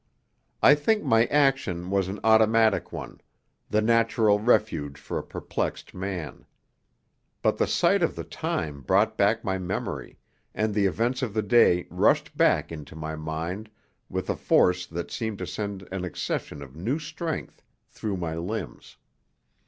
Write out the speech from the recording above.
I think my action was an automatic one, the natural refuge for a perplexed man. But the sight of the time brought back my memory, and the events of the day rushed back into my mind with a force that seemed to send an accession of new strength through my limbs.